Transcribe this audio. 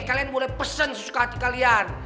kalian boleh pesen sesuka hati kalian